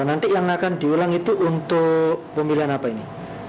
nanti yang akan diulang itu untuk pemilihan apa ini